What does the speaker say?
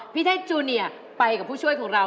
พี่จะให้จูเนียร์ไปกับผู้ช่วยของเรา